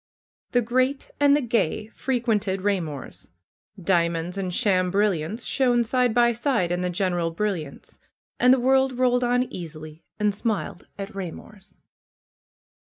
The great and the gay frequented Raymor's. Diamonds and sham FAITH 235 brilliants shone side by side in the general brilliance. And the world rolled on easily and smiled at Raymor's.